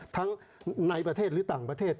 ทั้งในประเทศหรือต่างประเทศ